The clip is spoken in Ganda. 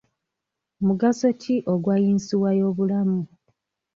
Mugaso ki ogwa yinsuwa y'obulamu?